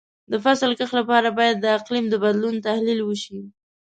د فصل کښت لپاره باید د اقلیم د بدلون تحلیل وشي.